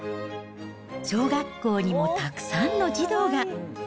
小学校にもたくさんの児童が。